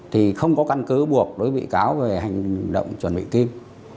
thì không có căn cứ buộc đối với bị cáo về hành động chuẩn bị kim